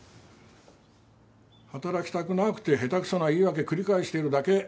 働きたくなくて下手くそな言い訳繰り返しているだけ。